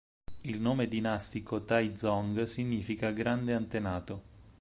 Il nome dinastico Tai Zong significa “Grande antenato”.